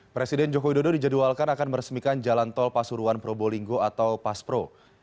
presiden joko widodo dijadwalkan akan meresmikan jalan tol pasuruan probolinggo atau paspro